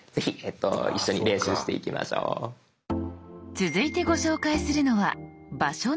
続いてご紹介するのは「場所の共有」。